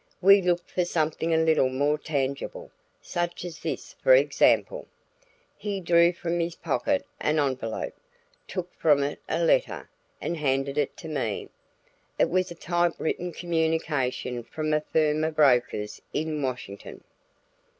We look for something a little more tangible such as this for example." He drew from his pocket an envelope, took from it a letter, and handed it to me. It was a typewritten communication from a firm of brokers in Washington.